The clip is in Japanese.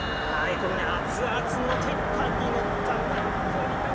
このね熱々の鉄板にのったナポリタン。